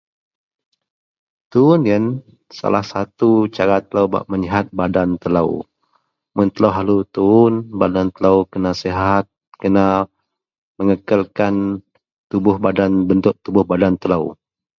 tuun ien salah satu cara telou bak meyihat badan telou, mun telou selalu tuun badan telou kena sihat, kena megekelkan tubuh badan bentuk tubuh badan telou